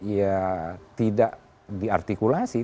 ya tidak diartikulasi